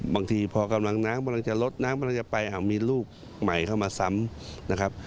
บางทีพอกำลังน้ำจะลดน้ำจะไปมีลูกใหม่เข้ามาซ้ำนะครับ